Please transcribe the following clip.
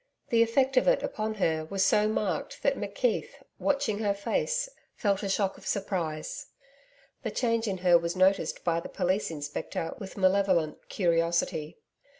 The effect of it upon her was so marked that McKeith, watching her face, felt a shock of surprise. The change in her was noticed by the Police Inspector, with malevolent curiosity.